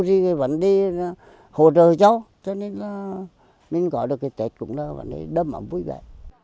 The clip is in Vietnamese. thì vẫn đi hỗ trợ cho cho nên là mình gọi được cái tết cũng là vấn đề đầm ấm vui vẻ